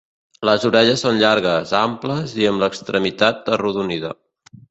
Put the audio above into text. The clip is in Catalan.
Les orelles són llargues, amples i amb l'extremitat arrodonida.